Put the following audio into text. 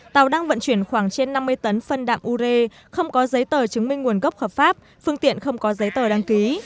tàu đang vận chuyển khoảng trên năm mươi tấn phân đạm ure không có giấy tờ chứng minh nguồn gốc hợp pháp phương tiện không có giấy tờ đăng ký